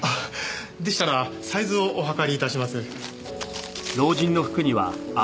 でしたらサイズをお測りいたします。